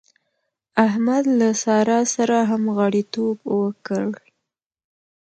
احمد له سارا سره همغاړيتوب وکړ.